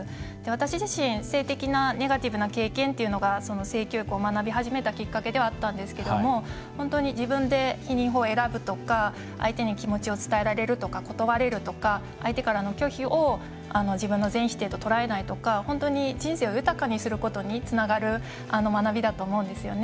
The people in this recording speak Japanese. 私自身、性的なネガティブな経験っていうのが性教育を学び始めたきっかけではあったんですけど自分で避妊法を選ぶとか相手に気持ちを伝えられるとか断れるとか相手からの拒否を自分の全否定と捉えないとか人生を豊かにすることにつながる学びだと思うんですよね。